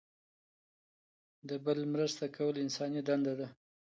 د بل مرسته کول انساني دنده ده.